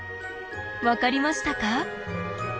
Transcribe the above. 分かりましたか？